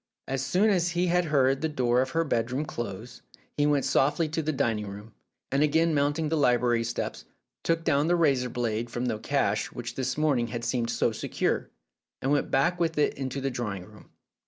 As soon as he had heard the door of her bedroom close, he went softly to the dining room, and again mounting the library steps, took down the razor blade from the cache which this morn ing had seemed so secure, and went back with it into the drawing room.